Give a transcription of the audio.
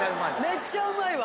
めっちゃうまいわ。